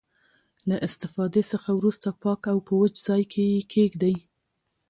له استفادې څخه وروسته پاک او په وچ ځای کې یې کیږدئ.